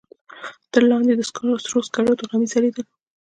تر لاندې د سرو سکروټو غمي ځلېدل.